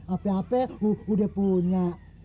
apa apa udah punya